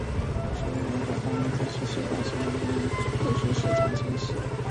水源和放牧土地的稀少性让他们必须时常迁徙。